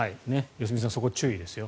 良純さんそこ注意ですよ。